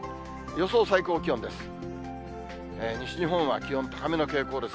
予想最高気温です。